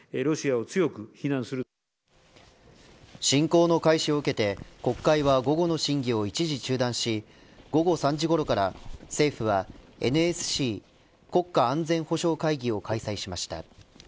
侵攻の開始を受けて国会は午後の審議を一時中断し午後３時ごろから政府はＮＳＣ国家安全保障会議を開催しました。